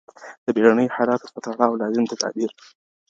د بېړنیو حالاتو په تړاو لازم تدابیر!